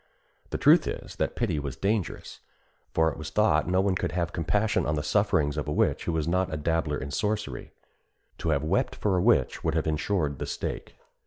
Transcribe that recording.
The truth is that pity was dangerous, for it was thought no one could have compassion on the sufferings of a witch who was not a dabbler in sorcery: to have wept for a witch would have insured the stake.